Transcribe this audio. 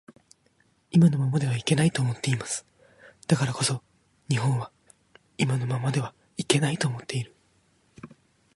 今のままではいけないと思っています。だからこそ日本は今のままではいけないと思っている